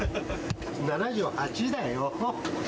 ７８だよ。